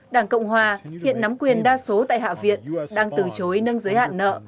đảng cộng hòa hiện nắm quyền đa số tại hạ viện đang từ chối nâng giới hạn nợ